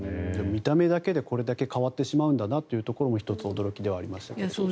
見た目だけで、これだけ変わってしまうんだなというのも１つ驚きではありましたけどね。